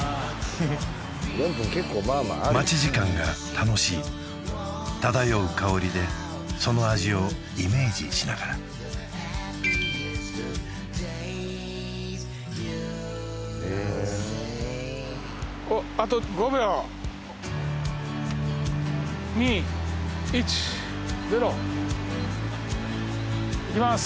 フフッ４分結構まあまあある待ち時間が楽しい漂う香りでその味をイメージしながらおっあと５秒２１０いきまーす